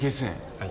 はい。